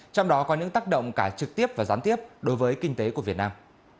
trong đó có những tác động cả trực tiếp và gián tiếp đối với kinh tế của việt nam